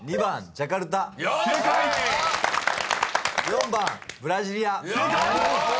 ４番「ブラジリア」［正解！］